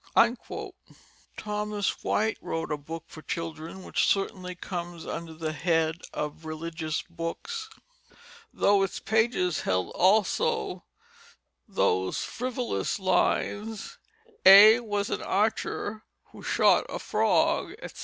Thomas White wrote a book for children which certainly comes under the head of religious books, though its pages held also those frivolous lines "A was an archer who shot at a frog," etc.